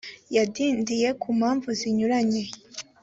yadindiye ku mpamvu zinyuranye